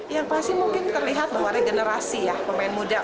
yang pasti mungkin terlihat bahwa ada generasi pemain muda